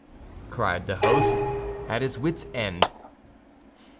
cried the host, at his wits' end.